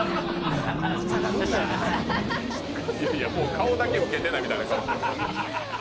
顔だけ受けてないみたいな顔してる。